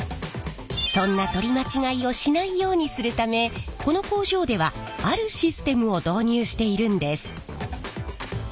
そんな取り間違いをしないようにするためこの工場ではあるシステムを導入しているんです。